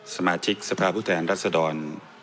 สมาชิกสภาพุทธแห่งรัฐสดร